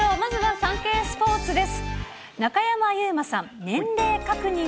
サンケイスポーツです。